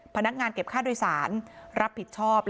พนักงานเก็บค่าโดยสารรับผิดชอบ